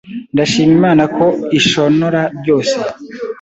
ndashima Imana ko ishonora byose